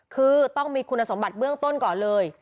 คือต้องมีคุณสมบัติเบื้องต้นก่อนเลย